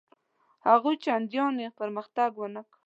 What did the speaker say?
هغوی چنداني پرمختګ ونه کړ.